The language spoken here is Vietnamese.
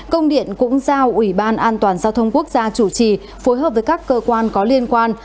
công điện cũng giao ủy ban an toàn giao thông quốc gia chủ trì phối hợp với các cơ quan có liên quan